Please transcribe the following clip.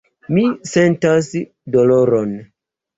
Mi sentas doloron.